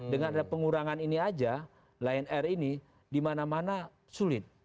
dengan ada pengurangan ini aja lion air ini dimana mana sulit